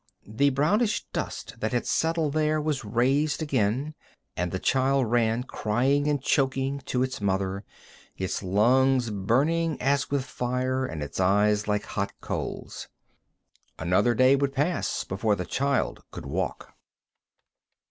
The brownish dust that had settled there was raised again, and the child ran, crying and choking, to its mother, its lungs burning as with fire, and its eyes like hot coals. Another day would pass before the child could walk.